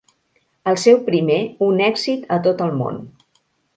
El seu primer un èxit a tot el món.